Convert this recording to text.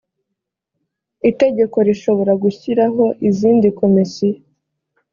itegeko rishobora gushyiraho izindi komisiyo.